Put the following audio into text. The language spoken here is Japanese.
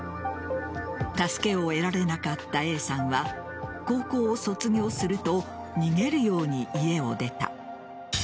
助けを得られなかったＡさんは高校を卒業すると逃げるように家を出た。